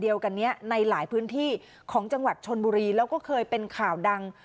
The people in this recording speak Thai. เดียวกันนี้ในหลายพื้นที่ของจังหวัดชนบุรีแล้วก็เคยเป็นข่าวดัง